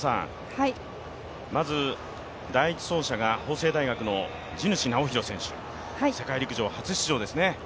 まず第１走者が法政大学の地主直央選手、世界陸上初出場ですね。